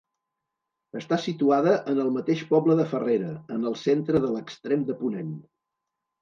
Està situada en el mateix poble de Farrera, en el centre de l'extrem de ponent.